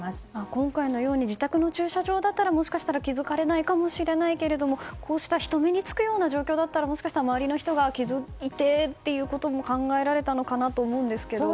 今回のように自宅の駐車場だったらもしかしたら気づかれないかもしれないけどもこうした人目に付くような状況だったら周りの人が気づいてということも考えられたのかと思うんですけど。